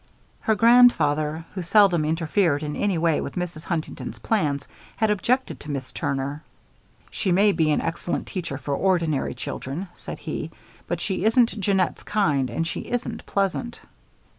Her grandfather, who seldom interfered in any way with Mrs. Huntington's plans, had objected to Miss Turner. "She may be an excellent teacher for ordinary children," said he, "but she isn't Jeannette's kind, and she isn't pleasant."